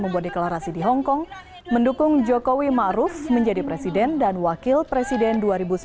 membuat deklarasi di hongkong mendukung jokowi ma'ruf menjadi presiden dan wakil presiden dua ribu sembilan belas dua ribu dua puluh empat